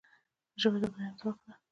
ژبه د بیان ځواک ده.